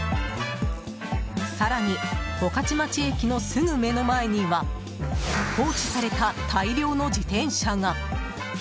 更に、御徒町駅のすぐ目の前には放置された大量の自転車が。